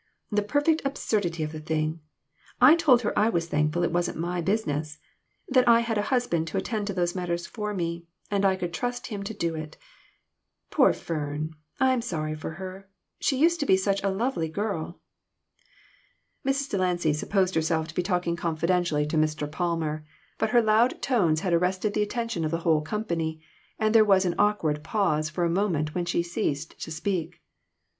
The perfect absurdity of the thing ! I told her I was thankful it wasn't my business that I had a husband to attend to those matters for me, and I could trust him to do it. Poor Fern ! I'm sorry for her. She used to be such a lovely girl." Mrs. Delancy supposed herself to be talking 326 FANATICISM. confidentially to Mr. Palmer, but her loud tones had arrested the attention of the whole company, and there was an awkward pause for a moment when she ceased to speak. Mr.